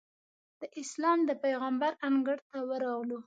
د اسلام د پېغمبر انګړ ته ورغلو.